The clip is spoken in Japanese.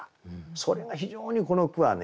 それが非常にこの句はね